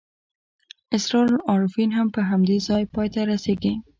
اسرار العارفین هم په همدې ځای پای ته رسېږي.